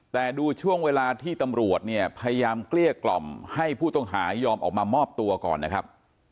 แต่ดูช่วงเวลาที่ตำรวจเนี่ยพยายามเกลี้ยกล่อมให้ผู้ต้องหายอมออกมามอบตัวก่อนนะครับ